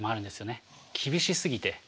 厳しすぎて。